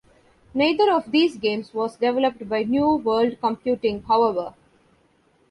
Neither of these games was developed by New World Computing, however.